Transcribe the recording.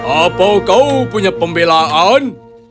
apa kau punya pembelaan